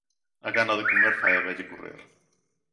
A gana de comer fai a vella correr.